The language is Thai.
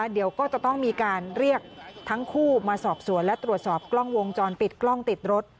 เดี๋ยวก็จะต้องมีการเรียกทั้งคู่มาสอบสวนและตรวจสอบกล้องวงจรปิดกล้องติดรถ